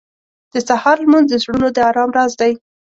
• د سهار لمونځ د زړونو د ارام راز دی.